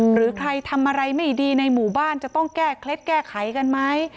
หรือใครทำอะไรไม่ดีในหมู่บ้านจะต้องแก้เคล็ดแก้ไขกันไหม